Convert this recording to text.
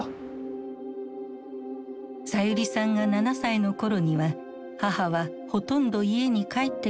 さゆりさんが７歳の頃には母はほとんど家に帰ってこなくなった。